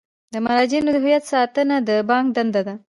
د مراجعینو د هویت ساتنه د بانک دنده ده.